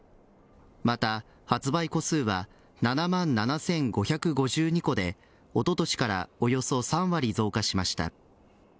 また発売戸数は７万７５５２戸でおととしからおよそ３割増加しました。